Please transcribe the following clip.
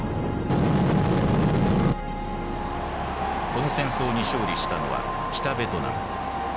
この戦争に勝利したのは北ベトナム。